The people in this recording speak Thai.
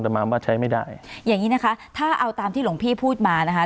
มาว่าใช้ไม่ได้อย่างงี้นะคะถ้าเอาตามที่หลวงพี่พูดมานะคะ